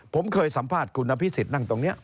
ผมเคยสัมภาษณ์คุณนพิศิษฐ์นั่งตรงเนี้ย